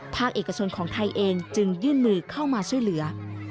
ภาคเอกชนของไทยเองจึงยื่นมือเข้ามาช่วยเหลือ